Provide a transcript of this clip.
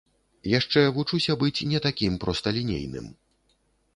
Яшчэ вучуся быць не такім просталінейным.